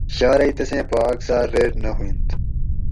شارئی تسیں پا اکثاۤر ریٹ نہ ہُوئینت